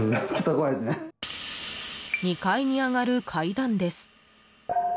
２階に上がる階段です。